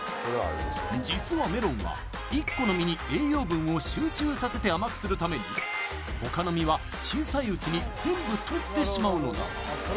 実はメロンは１個の実に栄養分を集中させて甘くするためにほかの実は小さいうちに全部とってしまうのだ